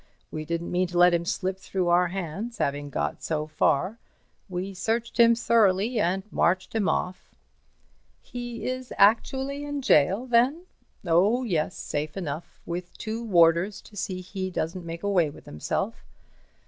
We didn't mean to let him slip through our hands, having got so far. We searched him thoroughly and marched him off." "He is actually in gaol, then?" "Oh, yes—safe enough—with two warders to see he doesn't make away with himself."